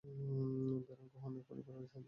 Baron কোহেনের পরিবার ইহুদি ধর্মাবলম্বী।